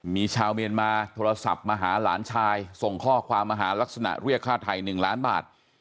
มีชาวเมียนมาโทรศัพท์มาหาหลานชายส่งข้อความมาหาลักษณะเรียกค่าไทย๑ล้านบาท